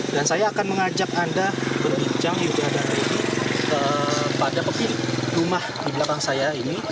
dan saya akan mengajak anda berbincang juga dengan saya ini pada peking rumah di belakang saya ini